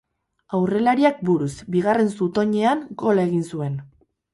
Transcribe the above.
Aurrelariak buruz, bigarren zutoinean, gola egin zuen.